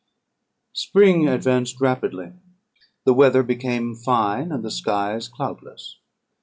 "Spring advanced rapidly; the weather became fine, and the skies cloudless.